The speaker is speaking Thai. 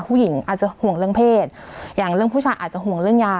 ผู้หญิงอาจจะห่วงเรื่องเพศอย่างเรื่องผู้ชายอาจจะห่วงเรื่องยา